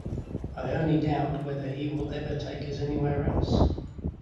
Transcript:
I only doubt whether he will ever take us anywhere else.